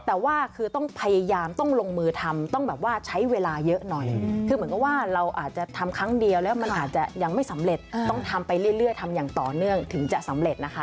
แต่ว่าคือต้องพยายามต้องลงมือทำต้องแบบว่าใช้เวลาเยอะหน่อยคือเหมือนกับว่าเราอาจจะทำครั้งเดียวแล้วมันอาจจะยังไม่สำเร็จต้องทำไปเรื่อยทำอย่างต่อเนื่องถึงจะสำเร็จนะคะ